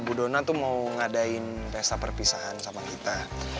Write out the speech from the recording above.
bu dona tuh mau ngadain pesta perpisahan sama kita